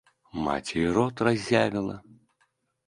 Маці і рот разявіла.